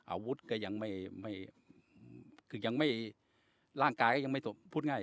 อาวุธก็ยังไม่คือยังไม่ร่างกายก็ยังไม่ตกพูดง่าย